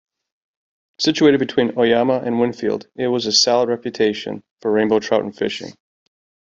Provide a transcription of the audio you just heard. Situated between Oyama and Winfield, it has a solid reputation for rainbow trout fishing.